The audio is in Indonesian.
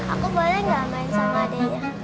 aku boleh gak main sama adiknya